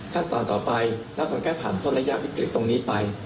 ขั้นตอนต่อไปแล้วคงแค่ผ่านพ้นระยะวิกฤตตรงนี้ไป